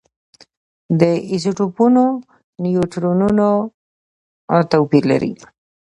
د ایزوټوپونو نیوټرونونه توپیر لري.